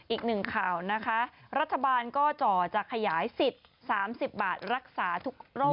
อีกหนึ่งข่าวนะคะรัฐบาลก็จ่อจะขยายสิทธิ์๓๐บาทรักษาทุกโรค